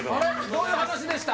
どういう話でした？